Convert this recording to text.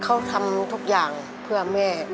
เขาทำทุกอย่างเพื่อแม่